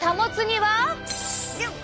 よっ！